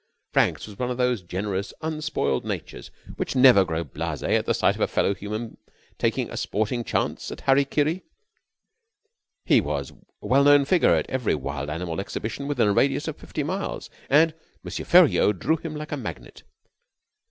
Frank's was one of those generous, unspoiled natures which never grow blasé at the sight of a fellow human taking a sporting chance at hara kiri. He was a well known figure at every wild animal exhibition within a radius of fifty miles, and M. Feriaud drew him like a magnet.